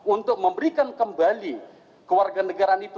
untuk memberikan kembali ke warga negara itu